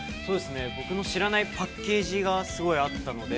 ◆僕の知らないパッケージがすごいあったので。